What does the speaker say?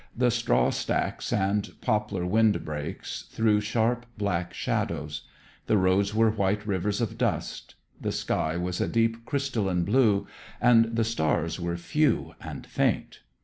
The straw stacks and poplar windbreaks threw sharp black shadows. The roads were white rivers of dust. The sky was a deep, crystalline blue, and the stars were few and faint.